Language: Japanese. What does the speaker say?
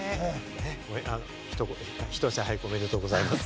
ひと足早く、おめでとうございます。